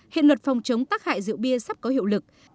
hiện luật phòng chống tắc hại rượu bia sắp có hiệu lực